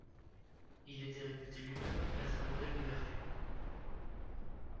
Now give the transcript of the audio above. Il était réputé lui-même être un modèle de vertu.